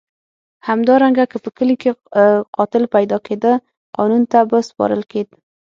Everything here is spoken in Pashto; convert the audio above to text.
همدارنګه که په کلي کې قاتل پیدا کېده قانون ته به سپارل کېد.